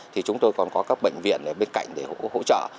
thì chúng tôi còn có các bệnh viện ở bên cạnh để hỗ trợ